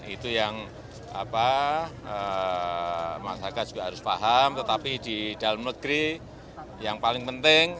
itu yang masyarakat juga harus paham tetapi di dalam negeri yang paling penting